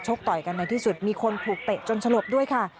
ต่อยกันในที่สุดมีคนถูกเตะจนสลบด้วยค่ะ